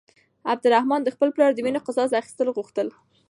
عبدالرحمن د خپل پلار د وينو قصاص اخيستل غوښتل.